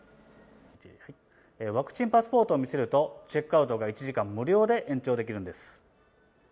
ワクチンパスポートを見せると、チェックアウトが１時間無料で延長できるんです。